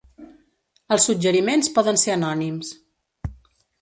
Els suggeriments poden ser anònims.